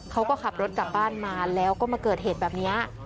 เขาก็ขับรถกลับบ้านมาแล้วก็มาเกิดเหตุแบบนี้